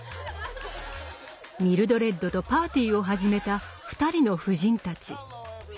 ミルドレッドとパーティーを始めた２人の夫人たち。